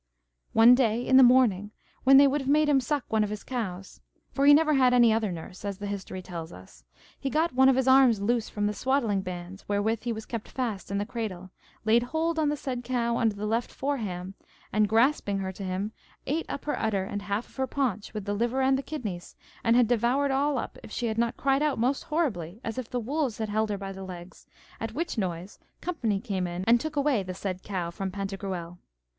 One day in the morning, when they would have made him suck one of his cows for he never had any other nurse, as the history tells us he got one of his arms loose from the swaddling bands wherewith he was kept fast in the cradle, laid hold on the said cow under the left foreham, and grasping her to him ate up her udder and half of her paunch, with the liver and the kidneys, and had devoured all up if she had not cried out most horribly, as if the wolves had held her by the legs, at which noise company came in and took away the said cow from Pantagruel.